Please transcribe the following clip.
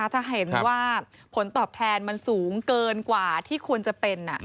ถ้าเห็นว่าผลตอบแทนมันสูงเกินกว่าที่ควรจะเป็น